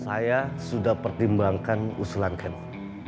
saya sudah pertimbangkan usulan kemo